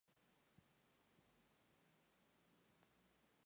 Tuvo mucha fama en la edad media y se cantaba a continuación del gradual.